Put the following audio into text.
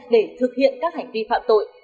để thực hiện các hành vi tiếp tay cho tổ chức khủng bố